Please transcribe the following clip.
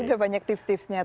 udah banyak tips tipsnya